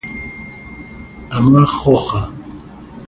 ئەمە خۆخە.